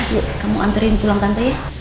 yuk kamu anterin pulang tante ya